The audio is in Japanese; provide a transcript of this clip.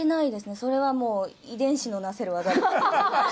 それはもう遺伝子のなせる業ですね。